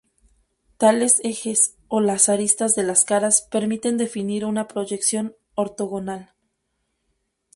Tales ejes, o las aristas de las caras, permiten definir una proyección ortogonal.